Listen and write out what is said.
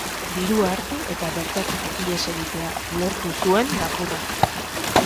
Dirua hartu, eta bertatik ihes egitea lortu zuen lapurrak.